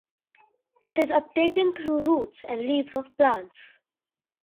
It is uptaken through roots and leaves of plants.